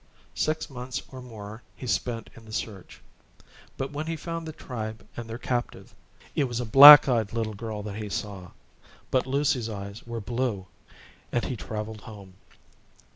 Six months or more he spent in the search; but when he found the tribe and their captive, it was a black eyed little girl that he saw; but Lucy's eyes were blue, and he travelled home.